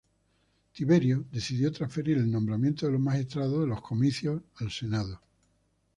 Tiberio decidió transferir el nombramiento de los magistrados de los Comicios al Senado.